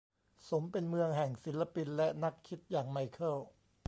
สมเป็นเมืองแห่งศิลปินและนักคิดอย่างไมเคิล